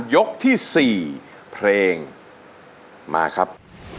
ยกที่๔เพลงมาครับ